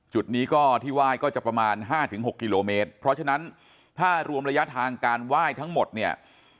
จุดนี้ก็ที่ไหว้ก็จะประมาณ๕๖กิโลเมตรเพราะฉะนั้นถ้ารวมระยะทางการไหว้ทั้งหมดเนี่ย